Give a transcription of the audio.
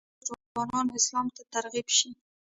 زما په لیدلو نور ځوانان اسلام ته ترغیب شي.